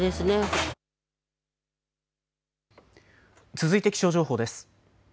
続いて気象情報です。